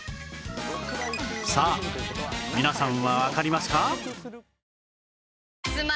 さあ皆さんはわかりますか？